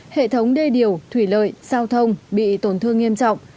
hệ thống đê điều thủy lợi giao thông bị tổn thương nghiêm trọng